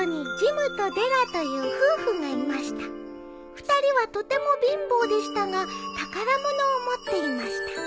「２人はとても貧乏でしたが宝物を持っていました」